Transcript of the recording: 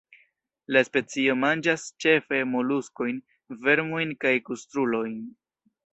La specio manĝas ĉefe moluskojn, vermojn kaj krustulojn.